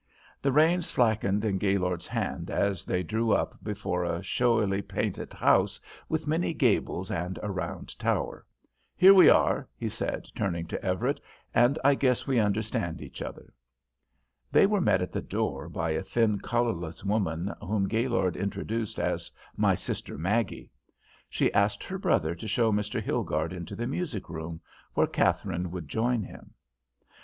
The reins slackened in Gaylord's hand as they drew up before a showily painted house with many gables and a round tower. "Here we are," he said, turning to Everett, "and I guess we understand each other." They were met at the door by a thin, colourless woman, whom Gaylord introduced as "My sister, Maggie." She asked her brother to show Mr. Hilgarde into the music room, where Katharine would join him.